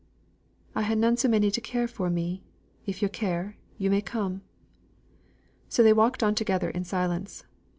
"I ha' none so many to care for me; if yo' care yo' may come." So they walked on together in silence.